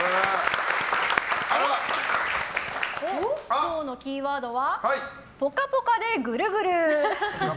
今日のキーワードは「ぽかぽかでぐるぐる」。